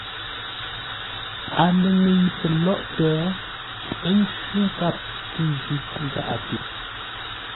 A lə ŋə̂i pəlóghʼtə ə́ ncwí nkâp tû zʉ́ gháʼate.